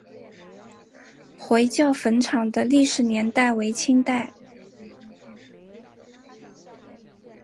回教坟场的历史年代为清代。